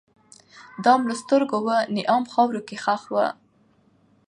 دام له سترګو وو نیهام خاورو کي ښخ وو